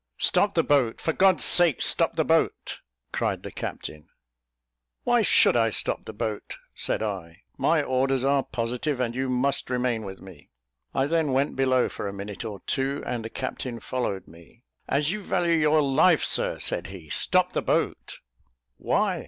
"Stop the boat! for God's sake stop the boat!" cried the captain. "Why should I stop the boat?" said I; "my orders are positive, and you must remain with me." I then went below for a minute or two, and the captain followed me. "As you value your life, sir," said he, "stop the boat." "Why?"